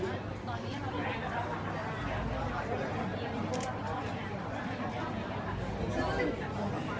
ถ้าเกิดตอนนี้ก็ไม่มีความรู้สึกนะครับถ้าเกิดตอนนี้ก็ไม่มีความรู้สึกนะครับ